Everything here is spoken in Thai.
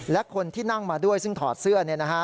และคนที่นั่งมาด้วยซึ่งถอดเสื้อ